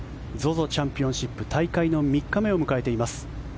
チャンピオンシップ大会の３日目を迎えています。